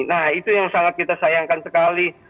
nah itu yang sangat kita sayangkan sekali